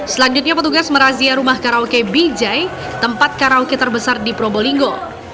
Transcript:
selanjutnya petugas merazia rumah karaoke bijai tempat karaoke terbesar di probolinggo